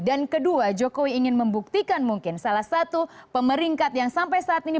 dan kedua jokowi ingin membuktikan mungkin salah satu pemeringkat yang sampai saat ini